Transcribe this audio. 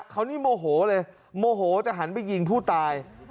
เขานี่โมโหเลยโมโหจะหันไปยิงผู้ตาย